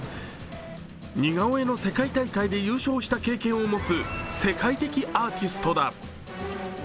似顔絵の世界大会で優勝した経験を持つ世界的アーティストだ。